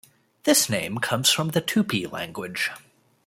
This name comes from the Tupi language.